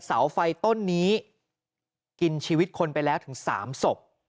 เสาไฟต้นนี้กินชีวิตคนไปแล้วถึง๓ศพ